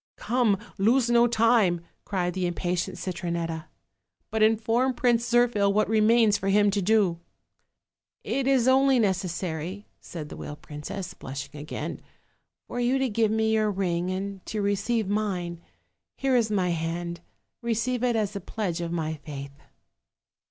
" 'Come, lose no time,' cried the impatient Citronetta, 'but inform Prince Zirphil what remains for him to do.' " 'It is only necessary,' said the whale princess, blush ing again, 'for you to give me your ring and to receive mine; here is my hand, receive it as a pledge of my n i I ' faith.'